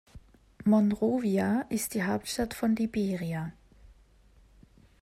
Monrovia ist die Hauptstadt von Liberia.